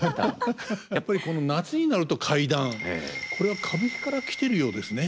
やっぱり夏になると怪談これは歌舞伎から来てるようですね。